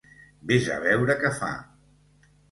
Vés a veure què fa.